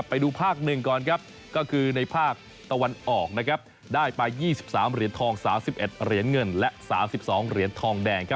ไปดูภาค๑ก่อนครับก็คือในภาคตะวันออกได้ไป๒๓เหรียญทอง๓๑เหรียญเงินและ๓๒เหรียญทองแดง